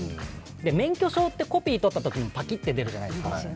免許証ってコピー取ったときにぱきって出るじゃないですか。